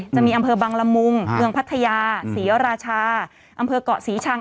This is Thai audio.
จะมีอำเภอบังละมุงเมืองพัทยาศรีราชาอำเภอกเกาะศรีชัง